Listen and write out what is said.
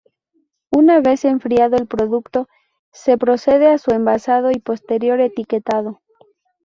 Una vez enfriado el producto, se procede a su envasado y posterior etiquetado.